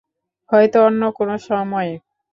হয়তো অন্য কোনো সময়ে।